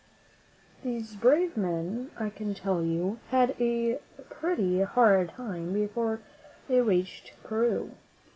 These brave men, I can tell you, had a pretty hard time before they reached Peru.